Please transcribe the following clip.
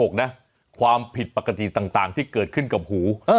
ความผิดปกติต่างที่เกิดขึ้นกับหู